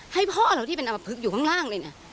ให้พ่อเราที่เป็นอำมะพึกอยู่ข้างเลยนี่